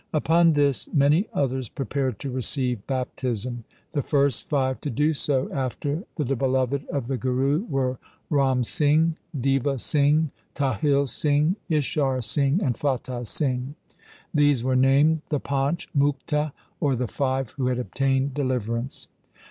Upon this many others prepared to receive bap tism. The first five to do so after the beloved of the Guru were Ram Singh, Deva Singh, Tahil Singh, Ishar Singh, and Fatah Singh. These were named the Panch Mukte, or the five who had obtained deliverance.